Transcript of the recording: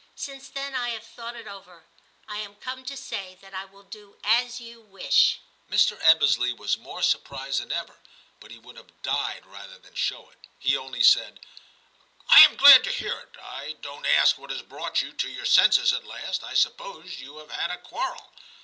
Since then I have thought it over; I am come to say that I will do as you wish.' Mr. Ebbesley was more surprised than ever, but he would have died rather than show it. He only said, * I am glad to hear it ; I don't ask what has brought you to your senses at last ; I suppose you have had a quarrel.